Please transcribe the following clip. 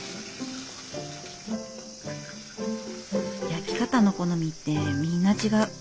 焼き方の好みってみんな違う。